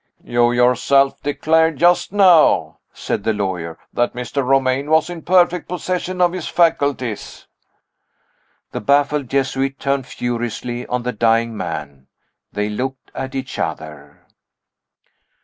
"You yourself declared just now," said the lawyer, "that Mr. Romayne was in perfect possession of his faculties." The baffled Jesuit turned furiously on the dying man. They looked at each other.